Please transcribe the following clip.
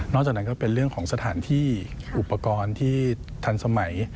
จากนั้นก็เป็นเรื่องของสถานที่อุปกรณ์ที่ทันสมัย